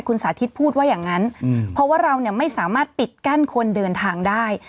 คุณสาธิตพูดว่าอย่างนั้นเพราะว่าเราเนี่ยไม่สามารถปิดกั้นคนเดินทางได้